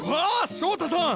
翔太さん